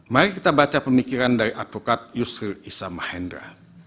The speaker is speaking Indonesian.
mari kita baca pemikiran dari advokat yusri issam mahendra